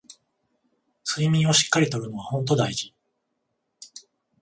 睡眠をしっかり取るのはほんと大事